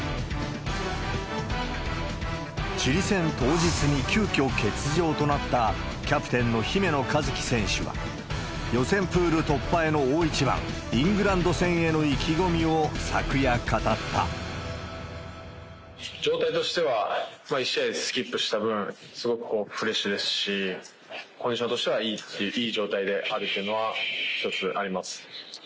チリ戦当日に急きょ欠場となった、キャプテンの姫野和樹選手は、予選プール突破への大一番、イングランド戦への意気込みを、状態としては、１試合スキップした分、すごくフレッシュですし、コンディションとしてはいい状態であるっていうのは、１つあります。